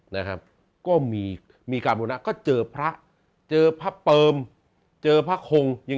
นะครับก็มีมีการบุรณะก็เจอพระเจอพระเปิมเจอพระคงยัง